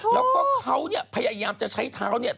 แล้วก็เขาพยายามจะใช้เท้า